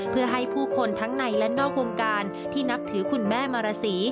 เพื่อให้ผู้คนทั้งในและนอกวงการที่นับถือคุณแม่มาราศี